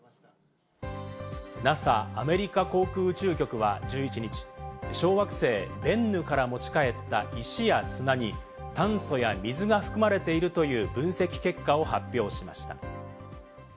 ＮＡＳＡ＝アメリカ航空宇宙局は１１日、小惑星ベンヌから持ち帰った石や砂に炭素や水が含まれているという分析結果を発表しました。